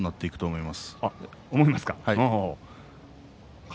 思いますか。